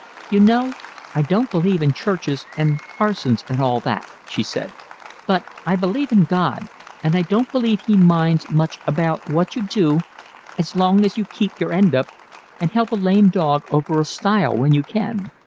"You know, I don't believe in churches and parsons and all that," she said, "but I believe in God, and I don't believe He minds much about what you do as long as you keep your end up and help a lame dog over a stile when you can.